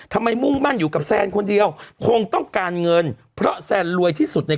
มุ่งมั่นอยู่กับแซนคนเดียวคงต้องการเงินเพราะแซนรวยที่สุดใน